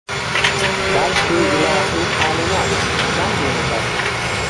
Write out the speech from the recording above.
balki ilohiy ta’limot – Islom dinidir.